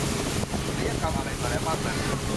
ศัลยกรรมอะไรมาแล้วบ้างนั้น